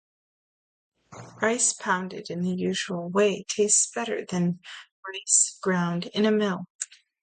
Rice pounded in the usual way tastes better than rice ground in a mill.